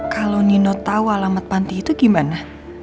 kalau nino tau alamat panti itu gimana